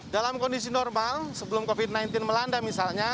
dalam kondisi normal sebelum covid sembilan belas melanda misalnya